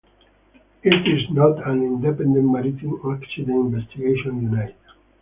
It is not an independent maritime accident investigation unit.